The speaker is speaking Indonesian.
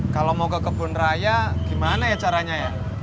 kalau mau ke kebun raya gimana ya caranya ya